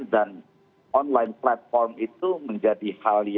dan online platform itu menjadi hal yang sangat penting